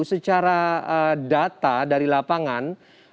secara data dari lapangan